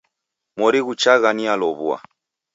Mori ghuchagha nialow'ua.